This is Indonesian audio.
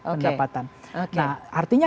pendapatan oke nah artinya